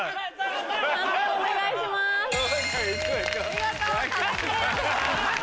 見事壁クリアです。